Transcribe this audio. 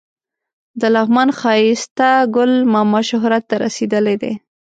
د لغمان ښایسته ګل ماما شهرت ته رسېدلی دی.